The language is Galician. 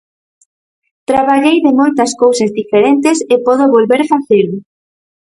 Traballei de moitas cousas diferentes e podo volver facelo.